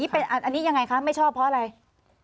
อันนี้ยังไงคะไม่ชอบเพราะอะไร